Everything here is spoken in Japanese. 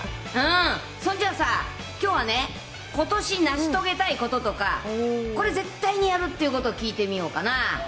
そんじゃさ、きょうはね、ことし成し遂げたいこととか、これ、絶対にやるっていうことを聞いてみようかな。